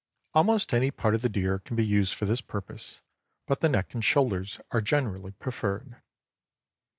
Almost any part of the deer can be used for the purpose, but the neck and shoulders are generally preferred.